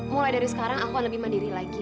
mulai dari sekarang aku lebih mandiri lagi